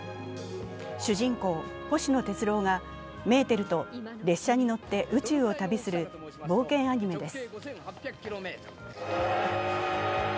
主人公・星野鉄郎がメーテルと列車に乗って宇宙を旅する冒険アニメです。